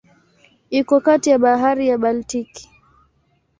Iko kati ya Bahari ya Baltiki.